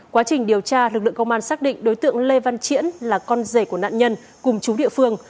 quá trình điều tra lực lượng công an xác định đối tượng lê văn triển là con rể của nạn nhân cùng chú địa phương